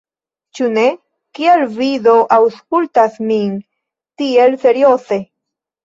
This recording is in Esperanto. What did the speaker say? Ĉu ne? Kial Vi do aŭskultas min tiel serioze!